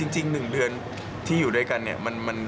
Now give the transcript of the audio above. จริง๑เดือนที่อยู่ด้วยกัน